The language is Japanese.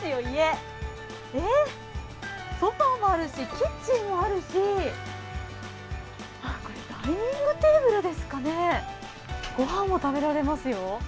ソファもあるしキッチンもあるしダイニングテーブルですかね、御飯も食べられますよ。